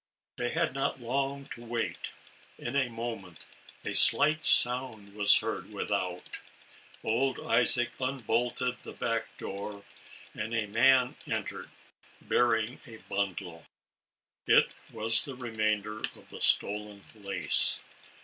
They had not long to wait. In a moment, a slight sound was heard without; old Isaac un bolted the back door and a man entered, bearing ALICE; OR, THE WAGES OF SIN. 63 a bundle. It was the remainder of the stolen lace.